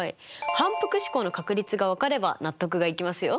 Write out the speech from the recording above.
反復試行の確率が分かれば納得がいきますよ。